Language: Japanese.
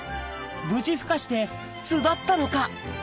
無事ふ化して巣立ったのか？